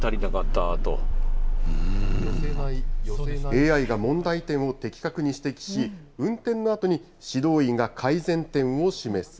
ＡＩが問題点を的確に指摘し、運転のあとに指導員が改善点を示す。